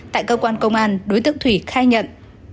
tại cơ quan công an đối tượng thủy khai nhận